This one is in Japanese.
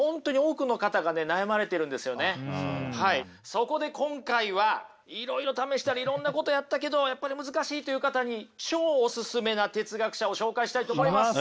そこで今回はいろいろ試したりいろんなことやったけどやっぱり難しいという方に超おすすめな哲学者を紹介したいと思います。